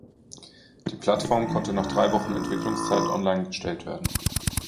Die Plattform konnte nach drei Wochen Entwicklungszeit online gestellt werden.